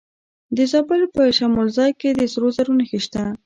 د زابل په شمولزای کې د سرو زرو نښې شته.